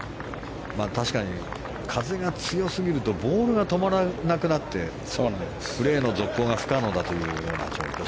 確かに、風が強すぎるとボールが止まらなくなってプレーの続行が不可能だという状況。